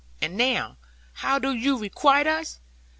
And now, how do you requite us?